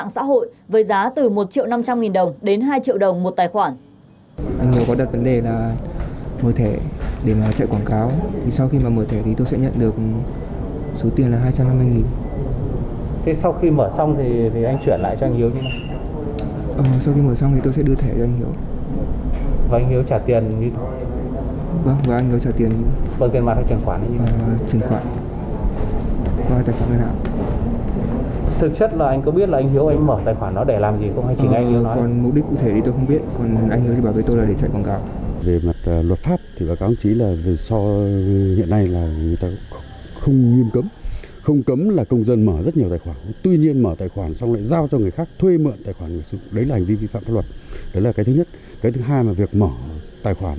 số tài khoản ngân hàng trên mạng xã hội với giá từ một năm trăm linh đồng đến hai đồng một tài khoản